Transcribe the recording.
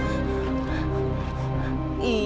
kamu bisa ditangkap polisi